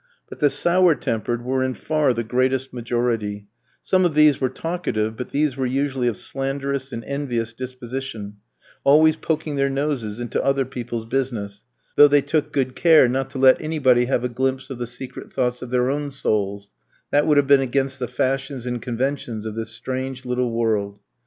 But the sour tempered were in far the greatest majority; some of these were talkative, but these were usually of slanderous and envious disposition, always poking their noses into other people's business, though they took good care not to let anybody have a glimpse of the secret thoughts of their own souls; that would have been against the fashions and conventions of this strange, little world.